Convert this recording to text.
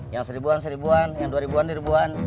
yang seribuan seribuan yang dua ribuan ribuan